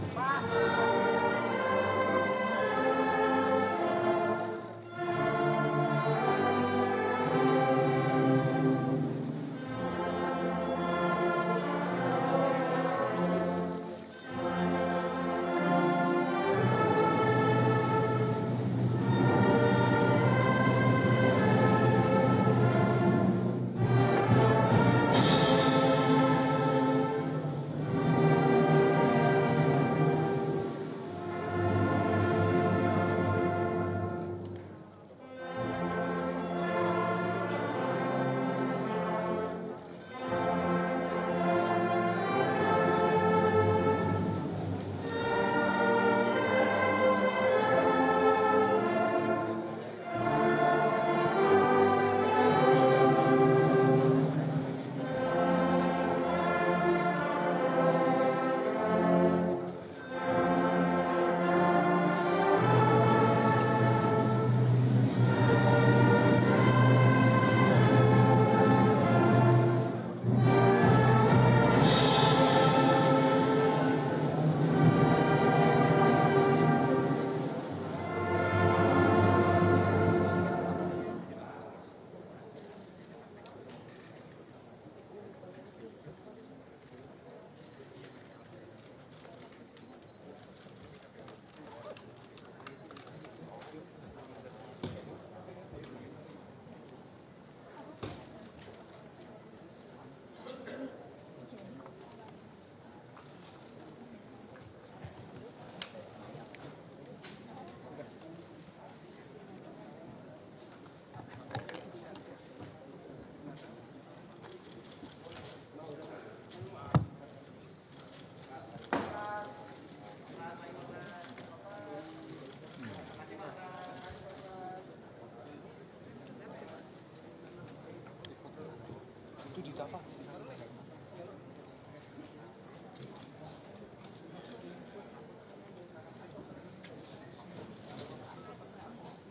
penanda tanganan berita acara